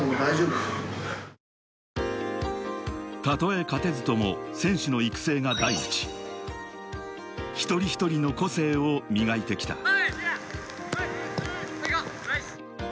たとえ勝てずとも、選手の育成が第一、一人一人の個性を磨いてきた。